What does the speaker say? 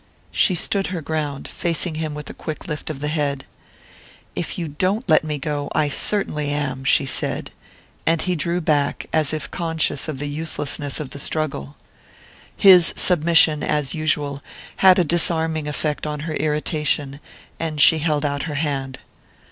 She stood her ground, facing him with a quick lift of the head. "If you don't let me go I certainly am," she said; and he drew back, as if conscious of the uselessness of the struggle. His submission, as usual, had a disarming effect on her irritation, and she held out her hand.